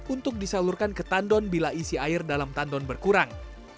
untuk disalurkan ke tandon bila isi air dalam tandon berkurang